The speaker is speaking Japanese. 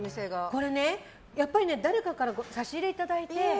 これね、誰かから差し入れいただいて。